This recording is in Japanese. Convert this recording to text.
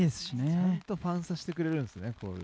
ちゃんとファンサしてくれるんですね。